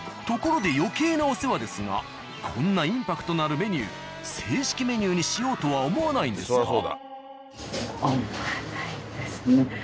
ところで余計なお世話ですがこんなインパクトのあるメニュー正式メニューにしようとは思わないんですか？